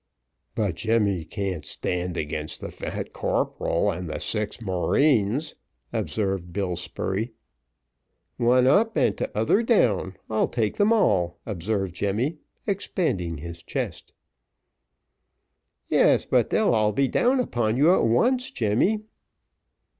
"But Jemmy can't stand against the fat corporal and the six marines," observed Bill Spurey. "One up and t'other down, I'll take them all," observed Jemmy, expanding his chest. "Yes, but they'll all be down upon you at once, Jemmy."